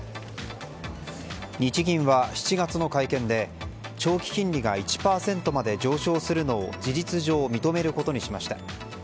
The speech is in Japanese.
日銀は、７月の会見で長期金利が１％まで上昇するのを事実上認めることにしました。